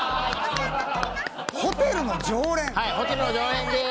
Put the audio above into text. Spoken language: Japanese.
はいホテルの常連です。